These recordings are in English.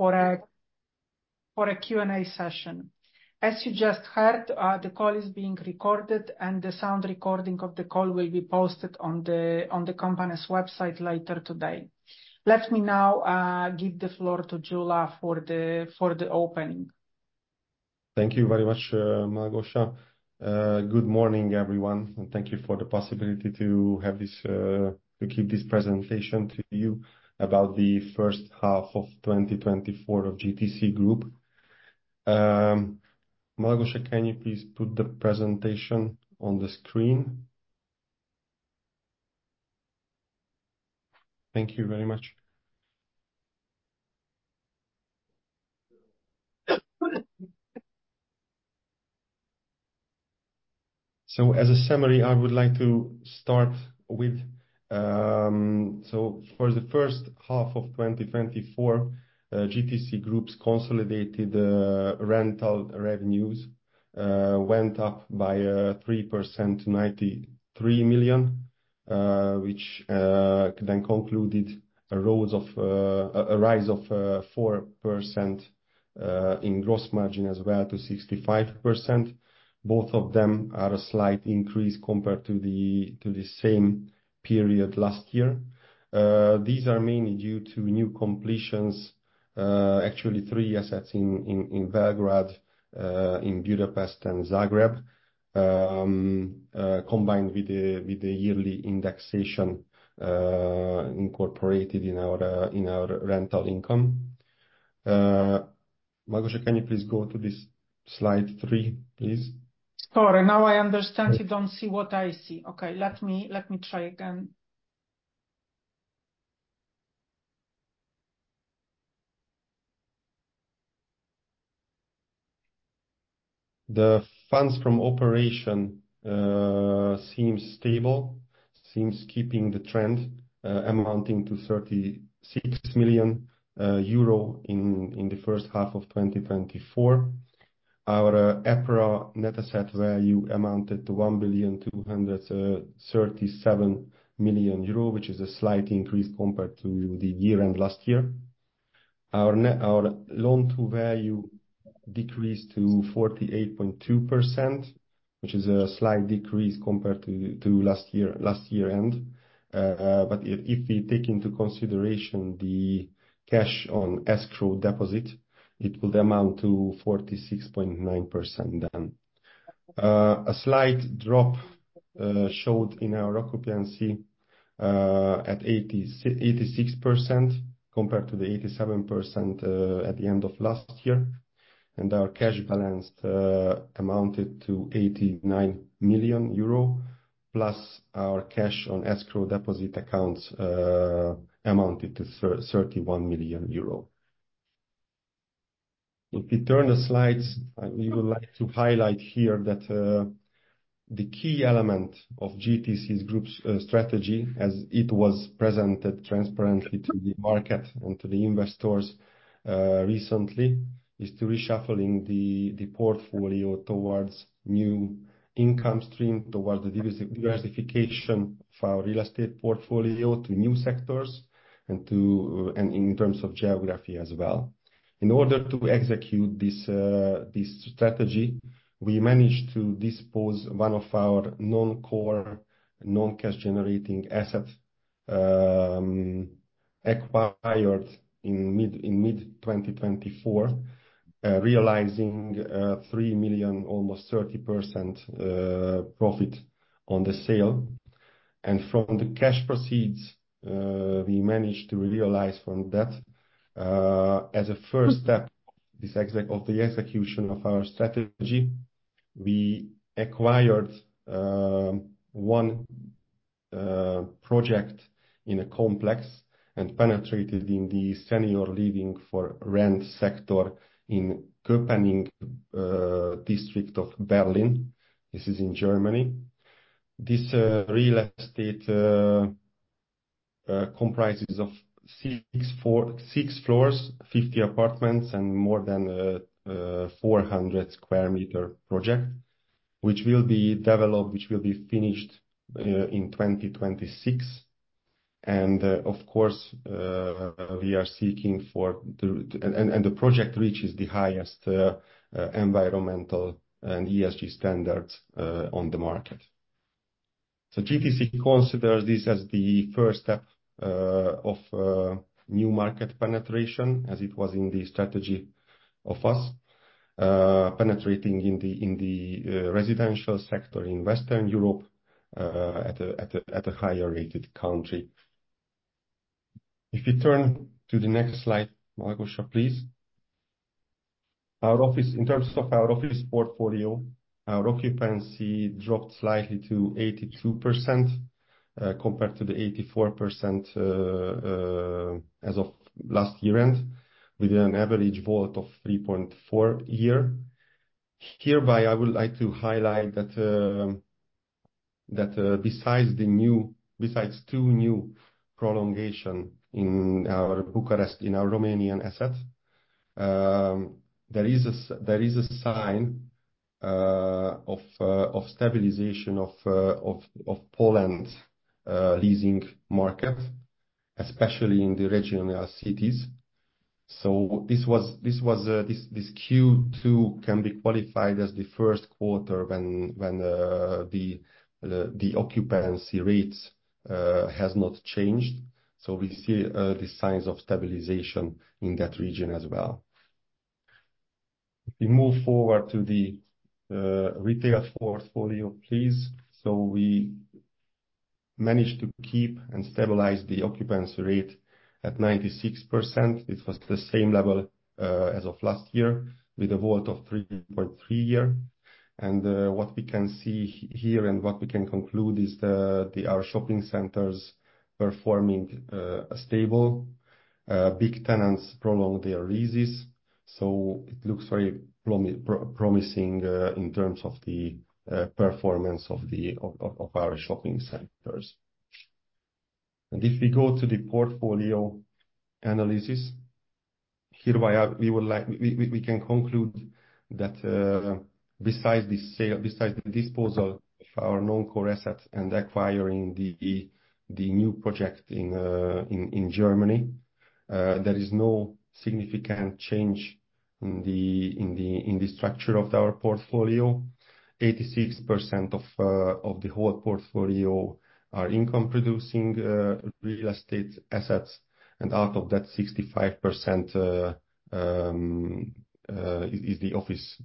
For a Q&A session. As you just heard, the call is being recorded, and the sound recording of the call will be posted on the company's website later today. Let me now give the floor to Gyula for the opening. Thank you very much, Malgosia. Good morning, everyone, and thank you for the possibility to have this to give this presentation to you about the 1st half of 2024 of GTC Group. Malgosia, can you please put the presentation on the screen? Thank you very much. As a summary, I would like to start with for the 1st half of 2024, GTC Group's consolidated rental revenues went up by 3% to 93 million, which then concluded a rise of 4% in gross margin as well to 65%. Both of them are a slight increase compared to the same period last year. These are mainly due to new completions, actually three assets in Belgrade, in Budapest and Zagreb. Combined with the yearly indexation incorporated in our rental income. Malgosia, can you please go to this slide 3, please? Sorry. Now I understand you don't see what I see. Okay, let me try again. The Funds from Operations seems stable, seems keeping the trend, amounting to 36 million euro in the 1st half of 2024. Our EPRA Net Asset Value amounted to 1,237,000 euro, which is a slight increase compared to the year-end last year. Our loan-to-value decreased to 48.2%, which is a slight decrease compared to last year end. But if we take into consideration the cash on escrow deposit, it will amount to 46.9% then. A slight drop showed in our occupancy at 86% compared to the 87% at the end of last year, and our cash balance amounted to 89 million euro, plus our cash on escrow deposit accounts amounted to 31 million euro. If we turn the slides, we would like to highlight here that the key element of GTC Group's strategy, as it was presented transparently to the market and to the investors recently, is to reshuffling the portfolio towards new income stream, towards the diversification of our real estate portfolio to new sectors and to and in terms of geography as well. In order to execute this strategy, we managed to dispose one of our non-core, non-cash generating assets, acquired in mid-2024, realizing 3 million, almost 30% profit on the sale. From the cash proceeds, we managed to realize from that, as a first step, this execution of our strategy, we acquired one project in a complex and penetrated the senior living for rent sector in Köpenick, district of Berlin. This is in Germany. This real estate comprises six floors, 50 apartments, and more than 400 sqm project, which will be finished in 2026. Of course, we are seeking for the... The project reaches the highest environmental and ESG standards on the market. GTC considers this as the first step of a new market penetration, as it was in the strategy of us penetrating in the residential sector in Western Europe at a higher-rated country. If you turn to the next slide, Malgosia, please. Our office, in terms of our office portfolio, our occupancy dropped slightly to 82%, compared to the 84% as of last year-end, with an average WAULT of 3.4 year. Hereby, I would like to highlight that besides two new prolongations in our Bucharest, in our Romanian asset. There is a sign of stabilization of Poland leasing market, especially in the regional cities. So this was this Q2 can be qualified as the 1st quarter when the occupancy rates has not changed. So we see the signs of stabilization in that region as well. If we move forward to the retail portfolio, please. So we managed to keep and stabilize the occupancy rate at 96%. It was the same level as of last year, with a WAULT of 3.3 year. And what we can see here, and what we can conclude is our shopping centers performing stable. Big tenants prolong their leases, so it looks very promising in terms of the performance of our shopping centers. If we go to the portfolio analysis, hereby we can conclude that, besides the sale, besides the disposal of our non-core asset and acquiring the new project in Germany, there is no significant change in the structure of our portfolio. 86% of the whole portfolio are income-producing real estate assets, and out of that, 65%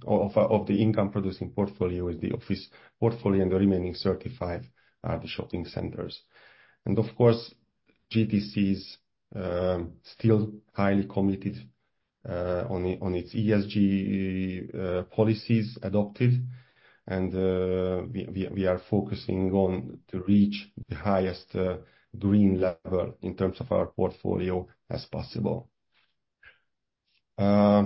of the income-producing portfolio is the office portfolio, and the remaining 35% are the shopping centers. Of course, GTC is still highly committed on its ESG policies adopted. We are focusing on to reach the highest green level in terms of our portfolio as possible. For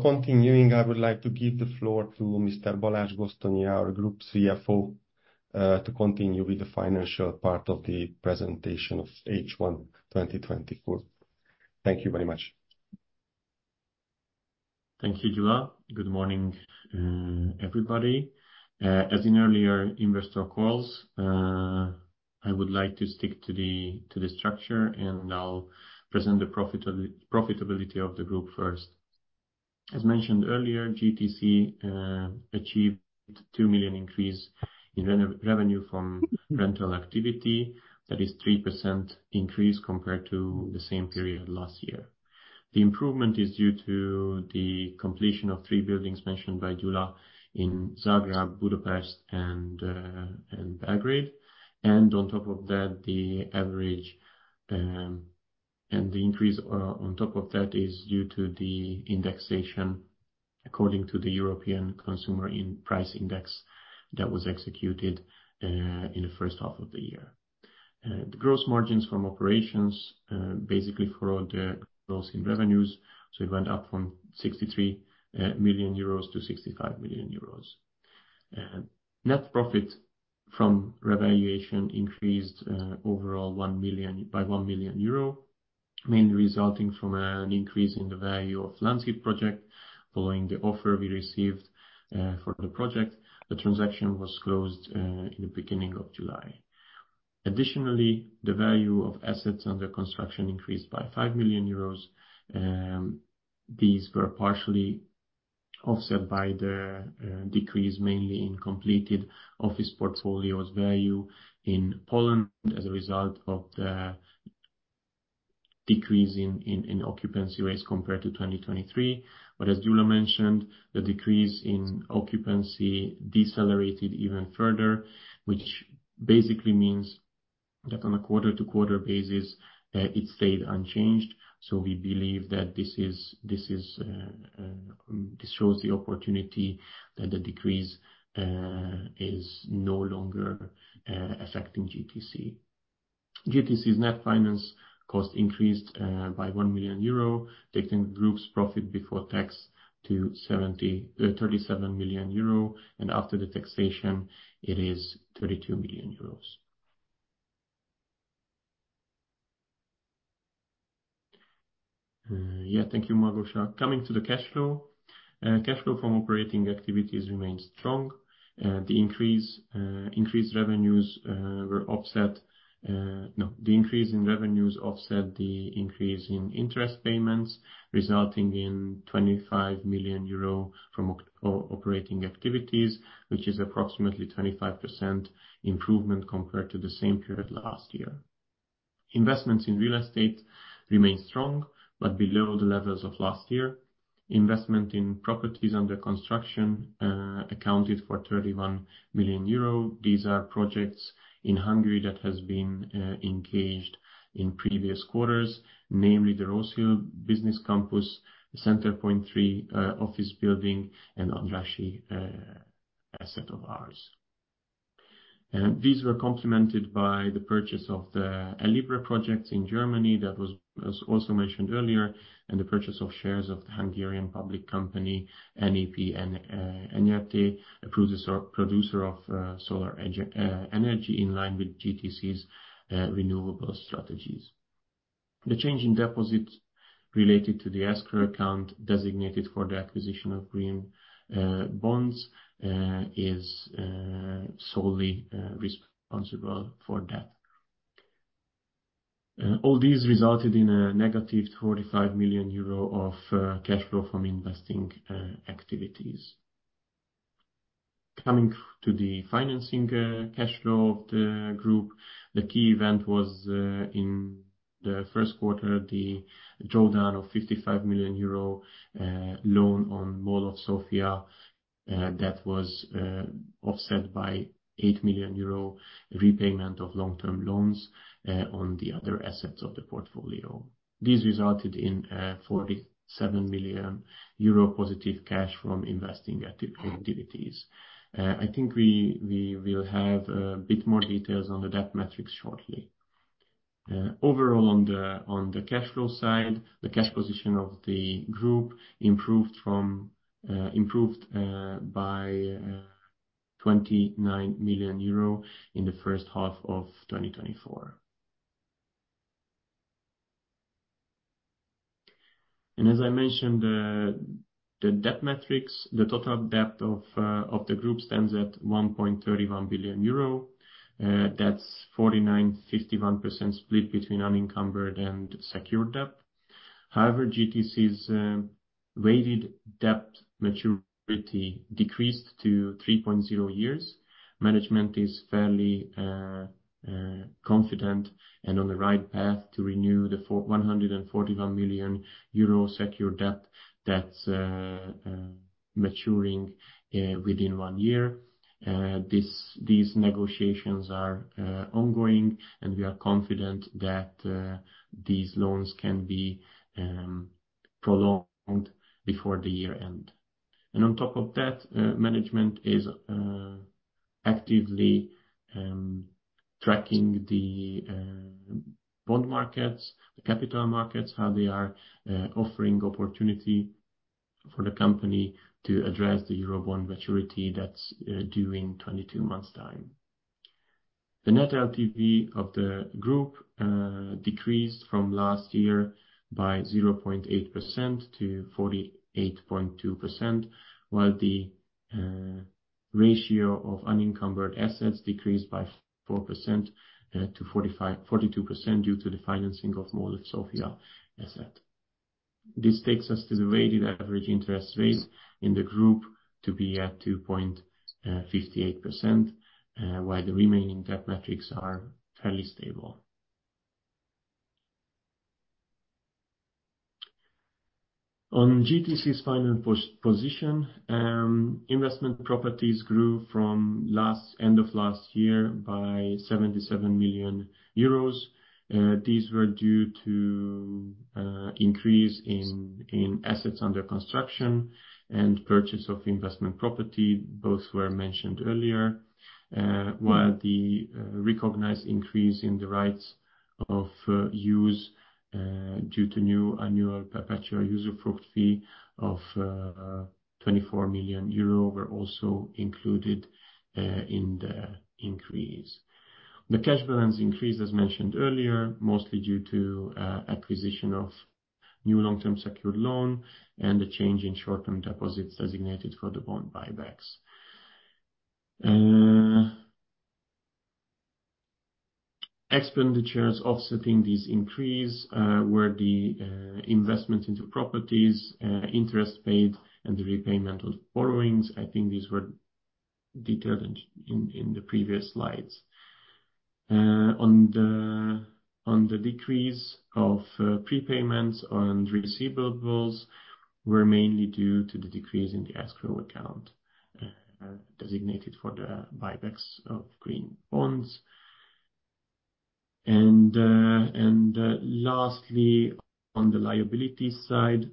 continuing, I would like to give the floor to Mr. Balázs Gosztonyi, our Group CFO, to continue with the financial part of the presentation of H1 2024. Thank you very much. Thank you, Gyula. Good morning, everybody. As in earlier investor calls, I would like to stick to the structure, and I'll present the profitability of the group first. As mentioned earlier, GTC achieved 2 million increase in revenue from rental activity. That is 3% increase compared to the same period last year. The improvement is due to the completion of three buildings mentioned by Gyula in Zagreb, Budapest, and Belgrade. And on top of that, the increase on top of that is due to the indexation, according to the European Consumer Price Index, that was executed in the 1st half of the year. The gross margins from operations basically followed the growth in revenues, so it went up from 63 million-65 million euros. Net profit from revaluation increased overall by 1 million euro, mainly resulting from an increase in the value of Láng project. Following the offer we received for the project, the transaction was closed in the beginning of July. Additionally, the value of assets under construction increased by 5 million euros. These were partially offset by the decrease, mainly in completed office portfolios value in Poland as a result of the decrease in occupancy rates compared to 2023, but as Gyula mentioned, the decrease in occupancy decelerated even further, which basically means that on a quarter-to-quarter basis it stayed unchanged, so we believe that this shows the opportunity that the decrease is no longer affecting GTC. GTC's net finance cost increased by 1 million euro, taking the group's profit before tax to 73 million euro, and after the taxation, it is 32 million euros. Yeah, thank you, Malgosia. Coming to the cash flow. Cash flow from operating activities remains strong. The increase in revenues offset the increase in interest payments, resulting in 25 million euro from operating activities, which is approximately 25% improvement compared to the same period last year. Investments in real estate remained strong, but below the levels of last year. Investment in properties under construction accounted for 31 million euro. These are projects in Hungary that has been engaged in previous quarters, namely the Rose Hill Business Campus, Center Point III office building, and Andrássy asset of ours. These were complemented by the purchase of the Elibra projects in Germany, that was, as also mentioned earlier, and the purchase of shares of the Hungarian public company, Nap Nyrt., a producer of solar energy, in line with GTC's renewable strategies. The change in deposits related to the escrow account designated for the acquisition of green bonds is solely responsible for that. All these resulted in a negative 45 million euro of cash flow from investing activities. Coming to the financing cash flow of the group, the key event was in the 1st quarter, the drawdown of 55 million euro loan on Mall of Sofia that was offset by 8 million euro repayment of long-term loans on the other assets of the portfolio. This resulted in 47 million euro positive cash from investing activities. I think we will have a bit more details on the debt metrics shortly. Overall, on the cash flow side, the cash position of the group improved by 29 million euro in the 1st half of 2024. As I mentioned, the debt metrics, the total debt of the group stands at 1.31 billion euro. That's 49%-51% split between unencumbered and secured debt. However, GTC's weighted debt maturity decreased to 3.0 years. Management is fairly confident and on the right path to renew the 141 million euro secured debt that's maturing within one year. These negotiations are ongoing, and we are confident that these loans can be prolonged before the year end, and on top of that, management is actively tracking the bond markets, the capital markets, how they are offering opportunity for the company to address the euro bond maturity that's due in 22 months' time. The net LTV of the group decreased from last year by 0.8%-48.2%, while the ratio of unencumbered assets decreased by 4%-42% due to the financing of Mall of Sofia asset. This takes us to the weighted average interest rates in the group to be at 2.58%, while the remaining debt metrics are fairly stable. On GTC's final position, investment properties grew from end of last year by 77 million euros. These were due to increase in assets under construction and purchase of investment property. Both were mentioned earlier, while the recognized increase in the rights of use due to new annual perpetual usufruct fee of 24 million euro were also included in the increase. The cash balance increased, as mentioned earlier, mostly due to acquisition of new long-term secured loan and the change in short-term deposits designated for the bond buybacks. Expenditures offsetting this increase were the investment into properties, interest paid and the repayment of borrowings. I think these were detailed in the previous slides. On the decrease of prepayments on receivables were mainly due to the decrease in the escrow account designated for the buybacks of green bonds. Lastly, on the liability side,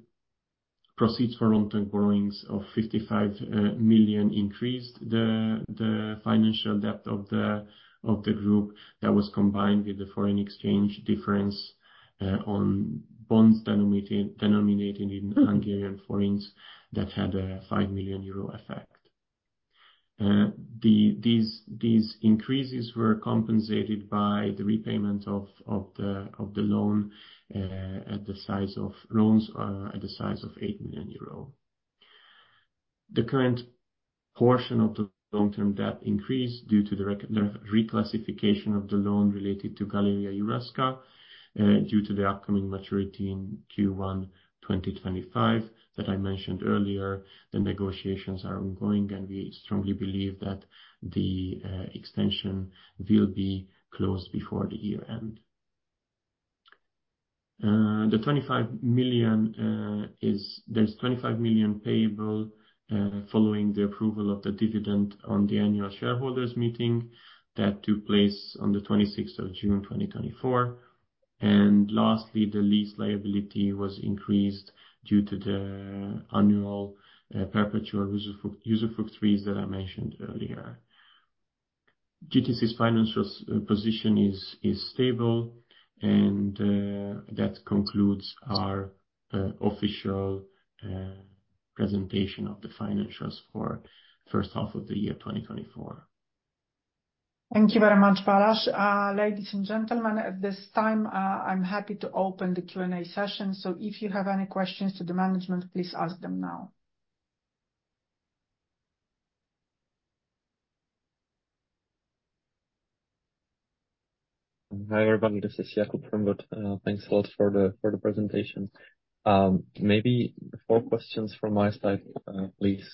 proceeds for long-term borrowings of 55 million increased the financial debt of the group. That was combined with the foreign exchange difference on bonds denominated in Hungarian forints that had a 5 million euro effect. These increases were compensated by the repayment of the loan at the size of 8 million euro. The current portion of the long-term debt increased due to the reclassification of the loan related to Galeria Jurajska due to the upcoming maturity in Q1 2025, that I mentioned earlier. The negotiations are ongoing, and we strongly believe that the extension will be closed before the year end. The EUR 25 million is payable following the approval of the dividend on the annual shareholders' meeting that took place on the 26th of June, 2024. Lastly, the lease liability was increased due to the annual perpetual usufruct fees that I mentioned earlier. GTC's financial position is stable, and that concludes our official presentation of the financials for 1st half of the year 2024. Thank you very much, Balázs. Ladies and gentlemen, at this time, I'm happy to open the Q&A session. So if you have any questions to the management, please ask them now. Hi, everybody, this is Jakub Caithaml. Thanks a lot for the presentation. Maybe four questions from my side, please.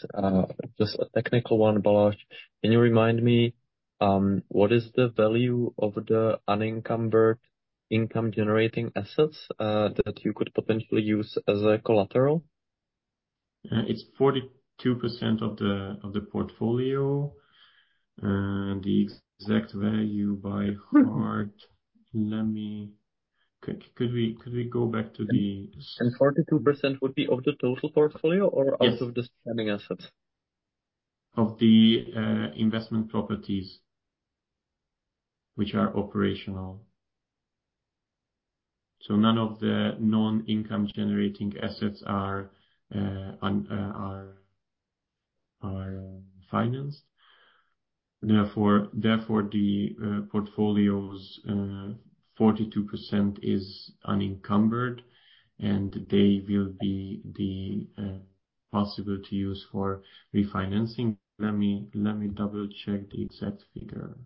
Just a technical one, Balázs, can you remind me what is the value of the unencumbered income generating assets that you could potentially use as a collateral? It's 42% of the portfolio. The exact value by heart, let me, Could we go back to the.. 42% would be of the total portfolio or out of the standing assets? Of the investment properties which are operational. So none of the non-income generating assets are financed. Therefore, the portfolio's 42% is unencumbered, and they will be possible to use for refinancing. Let me double-check the exact figure.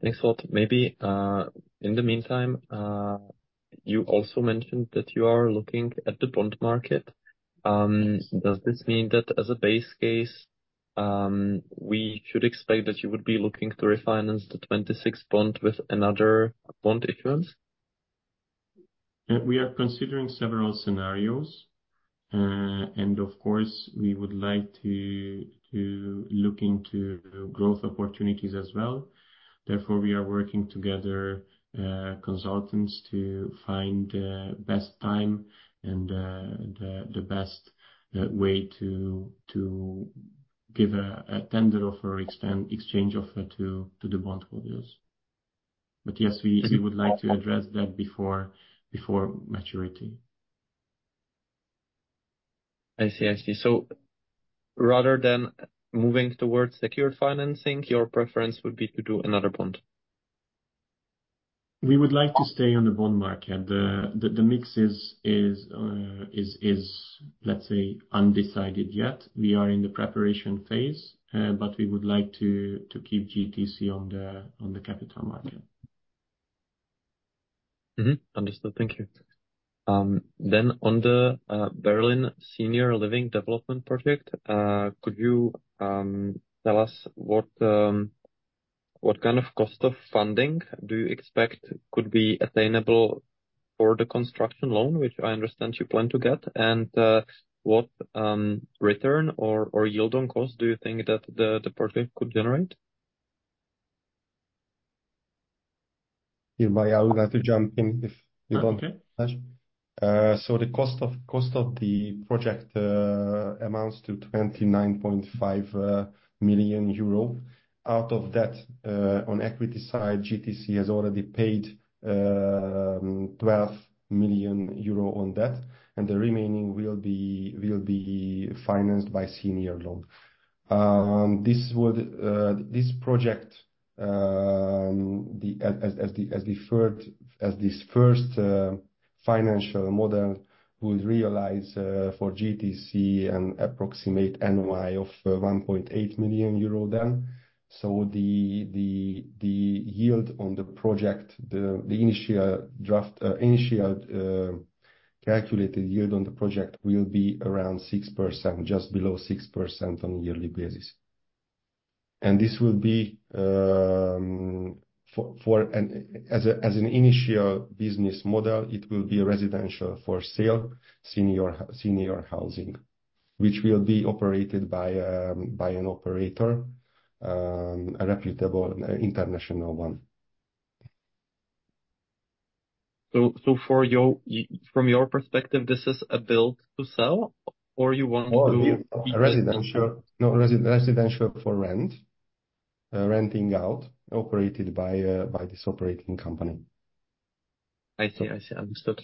Thanks a lot. Maybe, in the meantime, you also mentioned that you are looking at the bond market. Does this mean that as a base case, we should expect that you would be looking to refinance the twenty-six bond with another bond issuance? We are considering several scenarios, and of course, we would like to look into growth opportunities as well. Therefore, we are working together with consultants to find the best time and the best way to give a tender offer or exchange offer to the bond holders. But yes, we would like to address that before maturity. I see, I see, so rather than moving towards secured financing, your preference would be to do another bond? We would like to stay on the bond market. The mix is, let's say, undecided yet. We are in the preparation phase, but we would like to keep GTC on the capital market. Mm-hmm. Understood. Thank you. Then on the Berlin Senior Living Development project, could you tell us what kind of cost of funding do you expect could be attainable for the construction loan, which I understand you plan to get, and what return or yield on cost do you think that the project could generate? Yeah, I would like to jump in, if you don't.. Okay. So the cost of the project amounts to 29.5 million euro. Out of that, on equity side, GTC has already paid 12 million euro on debt, and the remaining will be financed by senior loan. This would, this project, as this first financial model, will realize for GTC an approximate NOI of 1.8 million euro then. So the yield on the project, the initial calculated yield on the project will be around 6%, just below 6% on a yearly basis. And this will be for, and as an initial business model, it will be a residential for sale, senior housing. Which will be operated by an operator, a reputable international one. So from your perspective, this is a build to sell or you want to.. Residential. No, residential for rent, renting out, operated by this operating company. I see. I see. Understood.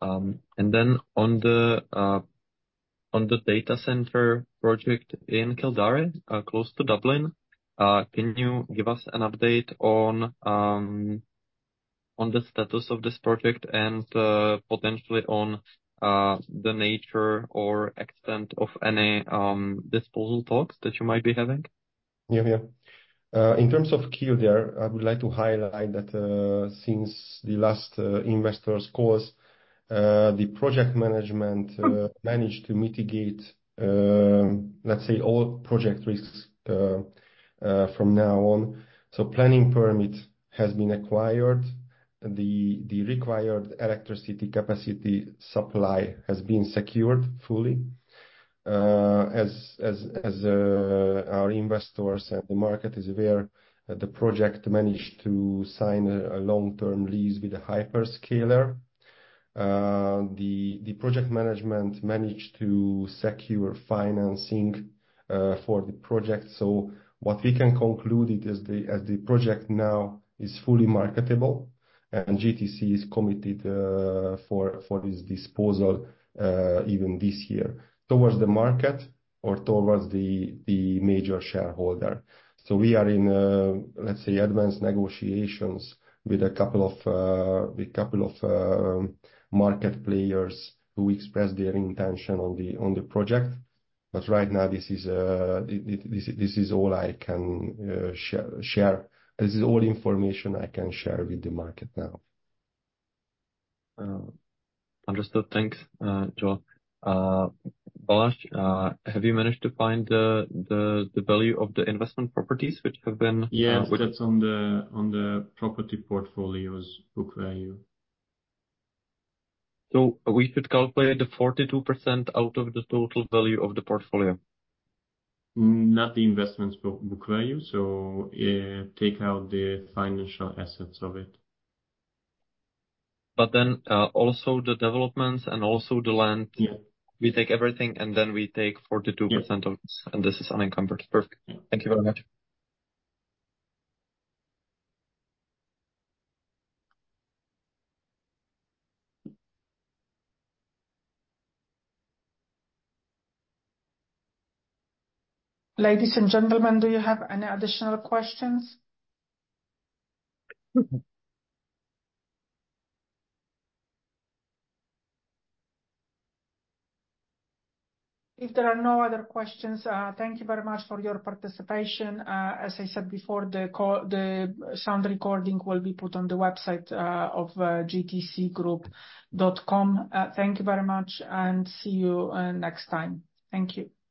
And then on the data center project in Kildare, close to Dublin, can you give us an update on the status of this project and potentially on the nature or extent of any disposal talks that you might be having? Yeah, yeah. In terms of Kildare, I would like to highlight that, since the last investors course, the project management managed to mitigate, let's say, all project risks from now on. So planning permit has been acquired. The required electricity capacity supply has been secured fully. As our investors and the market is aware, the project managed to sign a long-term lease with a hyperscaler. The project management managed to secure financing for the project. So what we can conclude is the, as the project now is fully marketable, and GTC is committed for this disposal even this year. Towards the market or towards the major shareholder. So we are in, let's say, advanced negotiations with a couple of market players who expressed their intention on the project. But right now, this is all I can share. This is all information I can share with the market now. Understood. Thanks, Joe. Balázs, have you managed to find the value of the investment properties which have been- Yes, that's on the property portfolio's book value. So we should calculate the 42% out of the total value of the portfolio? Not the investment's book value, so take out the financial assets of it. But then, also the developments and also the land.. Yeah. We take everything, and then we take 42%.. Yeah... of this, and this is unencumbered. Perfect. Yeah. Thank you very much. Ladies and gentlemen, do you have any additional questions? If there are no other questions, thank you very much for your participation. As I said before, the sound recording will be put on the website of gtcgroup.com. Thank you very much, and see you next time. Thank you.